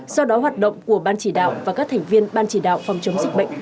do đó hoạt động của ban chỉ đạo và các thành viên ban chỉ đạo phòng chống dịch bệnh